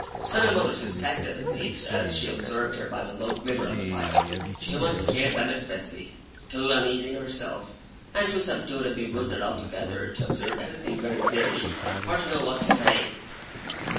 So my mother suspected, at least, as she observed her by the low glimmer of the fire: too much scared by Miss Betsey, too uneasy in herself, and too subdued and bewildered altogether, to observe anything very clearly, or to know what to say.